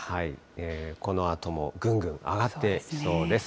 このあともぐんぐん上がっていきそうです。